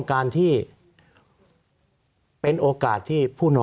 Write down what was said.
สวัสดีครับทุกคน